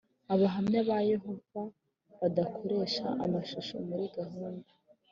Abahamya ba Yehova badakoresha amashusho muri gahunda